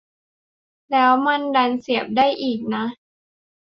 แล้วมันดันเสียบได้อีกนะ